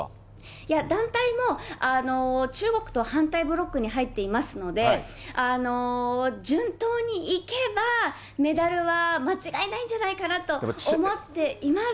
団体も、中国と反対ブロックに入っていますので、順当にいけば、メダルは間違いないんじゃないかなと思っています。